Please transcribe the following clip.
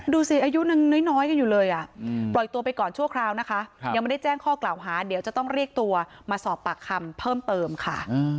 ดูสิอายุยังน้อยกันอยู่เลยปล่อยตัวไปก่อนชั่วคราวนะคะยังไม่ได้แจ้งข้อกล่าวหาเดี๋ยวจะต้องเรียกตัวมาสอบปากคำเพิ่มเติมค่ะ